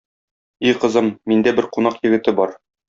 И кызым, миндә бер кунак егете бар.